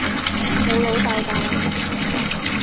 老老竇竇